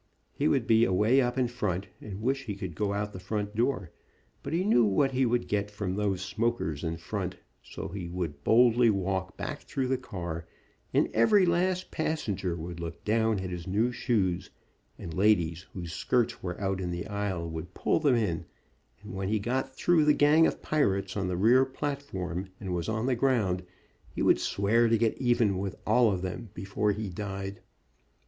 He would be away up in front, and wish he could go out the front door, but he knew what he would get from those smokers in front, so he would boldly walk back through the car, and every last passenger would look at his new shoes, and ladies whose skirts were out in the aisle would pull them in, and when he got through the gang of pirates on the rear platform, and was on the ground he would swear to get even with all of them before he died.